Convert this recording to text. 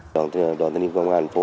đoàn thanh niên công an thành phố